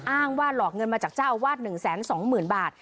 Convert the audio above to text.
อ้างว่าหลอกเงินมาจากเจ้าอาวาส๑๒๐๐๐บาท